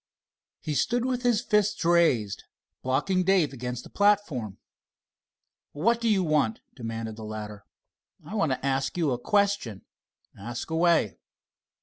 He stood with his fists raised, blocking Dave in against the platform. "What do you want?" demanded the latter. "I want to ask you a question." "Ask away."